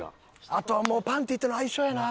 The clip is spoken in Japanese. あとはもうパンティとの相性やな。